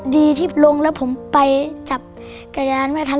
ดีที่ลงแล้วผมไปจับกระยานไม่ทัน